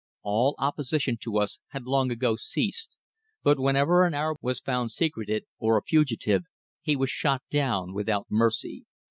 All opposition to us had long ago ceased, but whenever an Arab was found secreted or a fugitive, he was shot down without mercy.